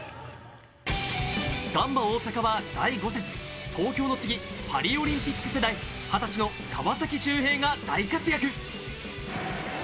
ガンバ大阪は第５節、東京の次、パリオリンピック世代、２０歳の川崎修平が大活躍。